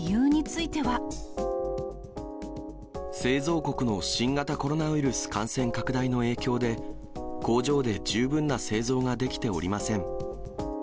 製造国の新型コロナウイルス感染拡大の影響で、工場で十分な製造ができておりません。